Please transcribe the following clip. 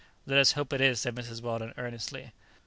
"Let us hope it is," said Mrs. Weldon earnestly.